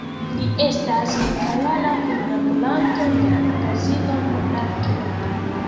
Li estas multjara kunlaboranto de la magazino "Monato".